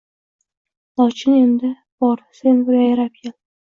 Lochin endi bor sen bir yayrab kel